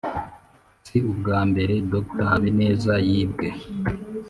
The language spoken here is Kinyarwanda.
si ubwa mbere dr habineza yibwe